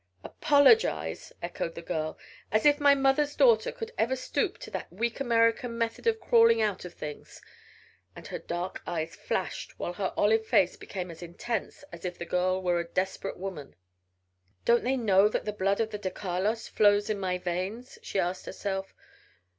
"Apologize!" echoed the girl. "As if my mother's daughter could ever stoop to that weak American method of crawling out of things!" and her dark eyes flashed while her olive face became as intense as if the girl were a desperate woman. "Don't they know that the blood of the de Carlos flows in my veins?" she asked herself.